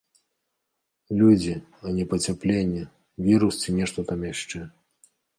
Людзі, а не пацяпленне, вірус ці нешта там яшчэ.